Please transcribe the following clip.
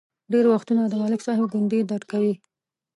ډېر وختونه د ملک صاحب ګونډې درد کوي.